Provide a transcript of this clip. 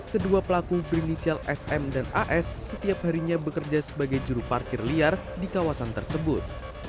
kedua pelaku berinisial sm dan as setiap harinya bekerja sebagai juru parkir liar di kawasan tersebut